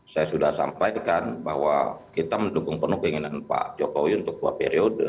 saya sudah sampaikan bahwa kita mendukung penuh keinginan pak jokowi untuk dua periode